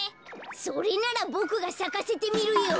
それならボクがさかせてみるよ。